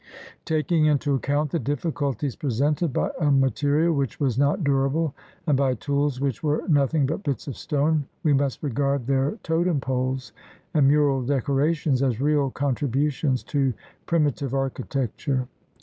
Tak ing into account the difficulties presented by a ma terial which was not durable and by tools which were nothing but bits of stone, we must regard their totem poles and mural decorations as real contributions to primitive architecture.